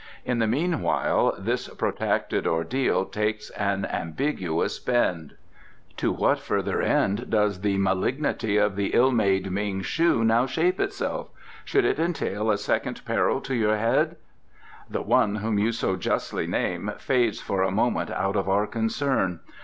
In the meanwhile this protracted ordeal takes an ambiguous bend." "To what further end does the malignity of the ill made Ming shu now shape itself? Should it entail a second peril to your head " "The one whom you so justly name fades for a moment out of our concern.